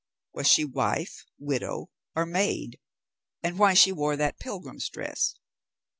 Was she wife, widow, or maid, and why she wore that pilgrim's dress?